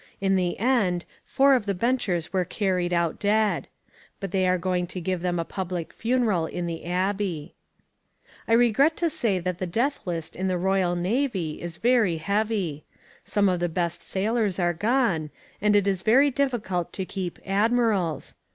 In the end, four of the Benchers were carried out dead. But they are going to give them a public funeral in the Abbey. I regret to say that the death list in the Royal Navy is very heavy. Some of the best sailors are gone, and it is very difficult to keep admirals.